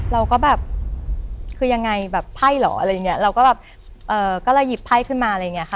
เราก็แบบคือยังไงแบบไพ่เหรออะไรอย่างเงี้ยเราก็แบบเอ่อก็เลยหยิบไพ่ขึ้นมาอะไรอย่างเงี้ค่ะ